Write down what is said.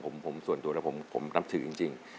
ผมส่วนตัวแล้วผมนับถือจริง